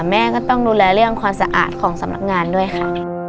แม่ก็ต้องดูแลเรื่องความสะอาดของสำนักงานด้วยค่ะ